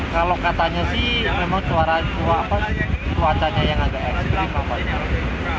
kalau katanya sih memang cuacanya yang agak ekstrim